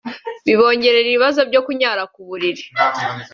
bibongerera ibibazo byo kunyara ku buriri